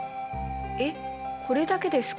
えっこれだけですか？